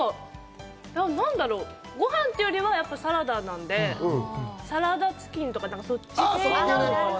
何だろう、ごはんっていうよりは、サラダなんで、サラダチキンとか、そっち系。